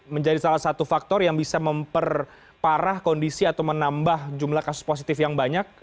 menjadi salah satu faktor yang bisa memperparah kondisi atau menambah jumlah kasus positif yang banyak